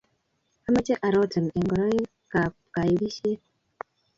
ameche arotin eng ngorietab kaibisie